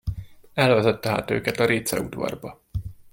Elvezette hát őket a réceudvarba.